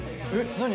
何？